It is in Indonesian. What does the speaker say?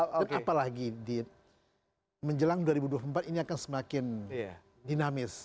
dan apalagi di menjelang dua ribu dua puluh empat ini akan semakin dinamis